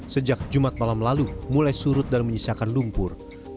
sejak jumat malam lalu mulai surut dan menyisakan lumpur